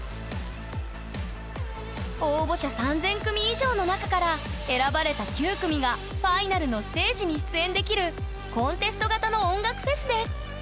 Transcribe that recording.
３，０００組以上の中から選ばれた９組がファイナルのステージに出演できるコンテスト型の音楽フェスです。